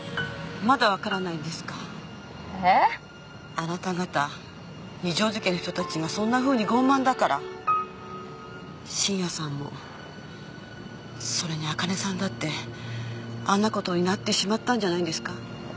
あなた方二条路家の人たちがそんなふうに傲慢だから信也さんもそれにあかねさんだってあんなことになってしまったんじゃないんですか？